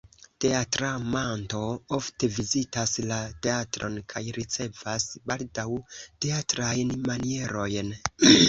Teatramanto ofte vizitas la teatron kaj ricevas baldaŭ teatrajn manierojn.